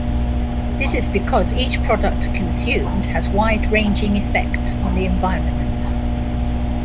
This is because each product consumed has wide-ranging effects on the environment.